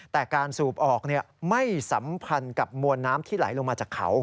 แต่การสูบออกไม่สัมพันธ์กับมวลน้ำที่ไหลลงมาจากเขา